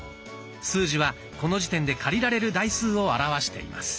数字はこの時点で借りられる台数を表しています。